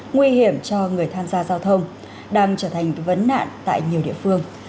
nguy hiểm cho người tham gia giao thông đang trở thành vấn nạn tại nhiều địa phương